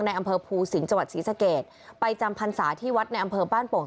อำเภอภูสิงห์จังหวัดศรีสะเกดไปจำพรรษาที่วัดในอำเภอบ้านโป่ง